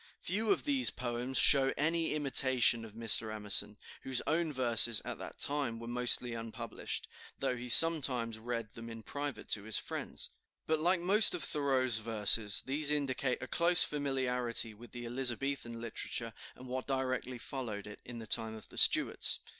Few of these poems show any imitation of Mr. Emerson, whose own verses at that time were mostly unpublished, though he sometimes read them in private to his friends. But like most of Thoreau's verses, these indicate a close familiarity with the Elizabethan literature, and what directly followed it, in the time of the Stuarts.